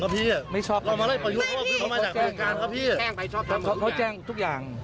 เขาแจ้งทุกอย่าง